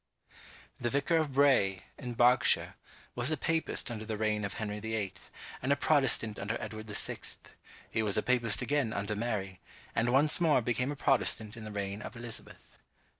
The vicar of Bray, in Berkshire, was a papist under the reign of Henry the Eighth, and a Protestant under Edward the Sixth; he was a papist again under Mary, and once more became a Protestant in the reign of Elizabeth.